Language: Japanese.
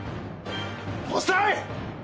遅い！